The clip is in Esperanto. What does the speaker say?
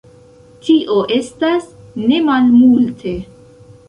Tio estas nemalmulte.